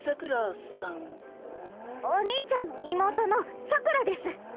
お兄ちゃんの妹のさくらです。